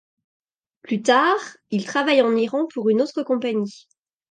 Plus tard, il travaille en Iran pour une autre compagnie.